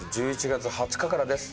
１１月２０日からです。